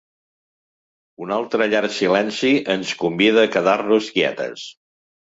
Un altre llarg silenci ens convida a quedar-nos quietes.